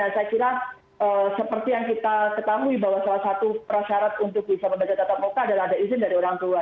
saya kira seperti yang kita ketahui bahwa salah satu prasyarat untuk bisa membaca tatap muka adalah ada izin dari orang tua